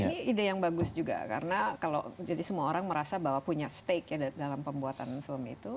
ini ide yang bagus juga karena kalau jadi semua orang merasa bahwa punya stake ya dalam pembuatan film itu